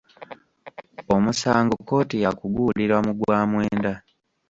Omusango kkooti ya kuguwulira mugwa mwenda.